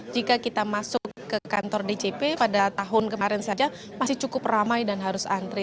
jika kita masuk ke kantor dcp pada tahun kemarin saja masih cukup ramai dan harus antri